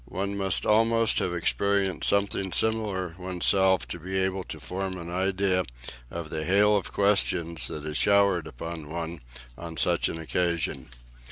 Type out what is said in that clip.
One must almost have experienced something similar oneself to be able to form an idea of the hail of questions that is showered upon one on such an occasion.